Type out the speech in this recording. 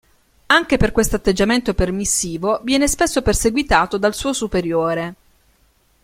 Anche per questo atteggiamento permissivo viene spesso perseguitato dal suo superiore.